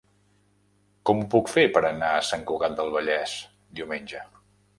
Com ho puc fer per anar a Sant Cugat del Vallès diumenge?